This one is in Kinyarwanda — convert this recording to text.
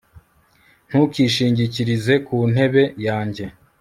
Ntukishingikirize ku ntebe yanjye